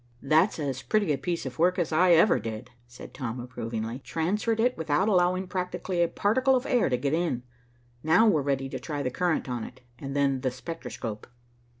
"That's as pretty a piece of work as I ever did," said Tom approvingly. "Transferred it without allowing practically a particle of air to get in. Now we're ready to try the current on it, and then the spectroscope."